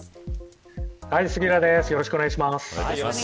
よろしくお願いします。